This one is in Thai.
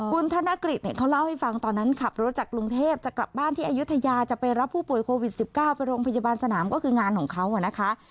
คุณธนกฤษเนี่ยเขาเล่าให้ฟังตอนนั้นขับรถจากกรุงเทพจะกลับบ้านที่อายุทยาจะไปรับผู้ป่วยโควิด๑๙ไปโรงพยาบาลสนามก็คืองานของเขานะคะ